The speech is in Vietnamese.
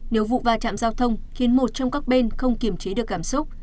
nếu vụ va chạm giao thông khiến một trong các bên không kiểm trí được cảm xúc